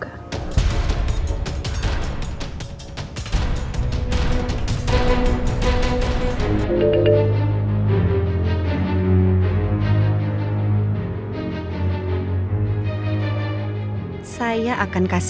karena obi kamu atau princes